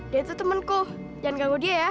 dia itu temanku jangan ganggu dia ya